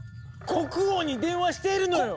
国王に電話しているのよ！